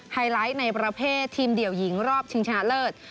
ไลท์ในประเภททีมเดี่ยวหญิงรอบชิงชนะเลิศ